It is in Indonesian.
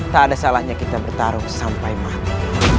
tak ada salahnya kita bertaruh sampai mati